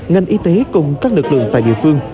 ngành y tế cùng các lực lượng tại địa phương